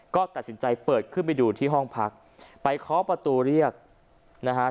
ก็ตัดสินใจเปิดขึ้นไปดูที่ห้องพักไปเคาะประตูเรียกนะฮะ